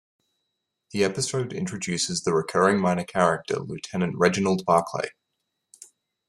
The episode introduces the recurring minor character Lieutenant Reginald Barclay.